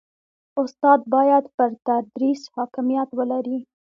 استاد باید پر تدریس حاکمیت ولري.